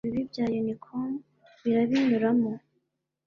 kandi ibibi bya unicorn birabinyuramo;